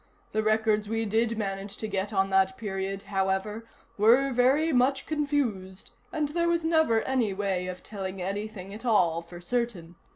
The records we did manage to get on that period, however, were very much confused, and there was never any way of telling anything at all, for certain.